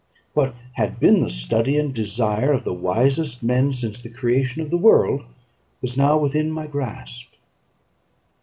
What had been the study and desire of the wisest men since the creation of the world was now within my grasp.